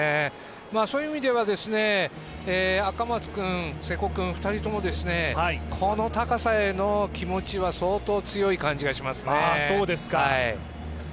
そういう意味では赤松君、瀬古君、２人ともこの高さへの気持ちは相当強い感じがしますね。